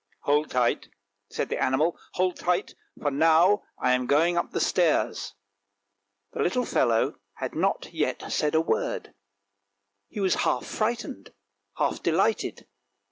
" Hold tight," said the animal, " hold tight, for now I am going up the stairs." The little fellow had not yet said a word, he was half frightened, half delighted.